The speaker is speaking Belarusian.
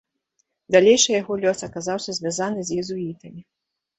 Далейшы яго лёс аказаўся звязаны з езуітамі.